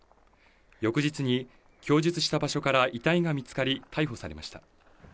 翌日に、供述した場所から遺体が見つかり、逮捕されました。